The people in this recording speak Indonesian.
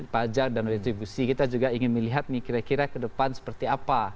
pajak dan retribusi kita juga ingin melihat nih kira kira ke depan seperti apa